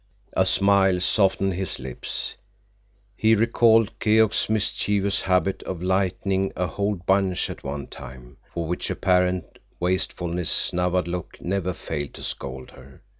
A smile softened his lips. He recalled Keok's mischievous habit of lighting a whole bunch at one time, for which apparent wastefulness Nawadlook never failed to scold her.